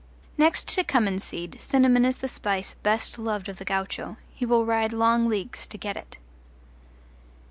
Next to cummin seed cinnamon is the spice best loved of the gaucho: he will ride long leagues to get it.